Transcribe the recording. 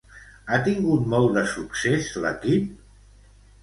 Ha tingut molt de succés l'equip?